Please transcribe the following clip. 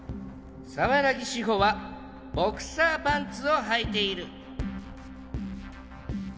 沢良宜志法はボクサーパンツをはいている。